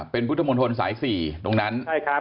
เป็นพุทธมนต์ธนด้วยสาย๔ตรงนั้น